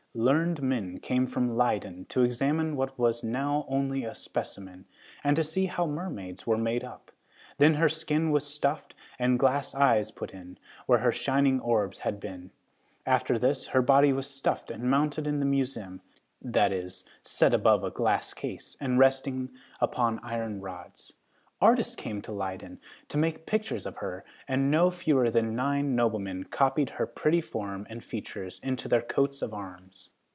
Learned men came from Leyden to examine what was now only a specimen, and to see how mermaids were made up. Then her skin was stuffed, and glass eyes put in, where her shining orbs had been. After this, her body was stuffed and mounted in the museum, that is, set up above a glass case and resting upon iron rods. Artists came to Leyden to make pictures of her and no fewer than nine noblemen copied her pretty form and features into their coats of arms.